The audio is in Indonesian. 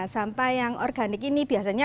sampah yang organik ini biasanya